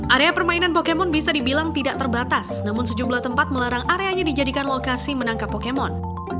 area permainan pokemon bisa dibilang tidak terbatas namun sejumlah tempat melarang areanya dijadikan lokasi menangkap pokemon